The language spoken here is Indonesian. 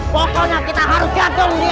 pokoknya kita harus gantung dia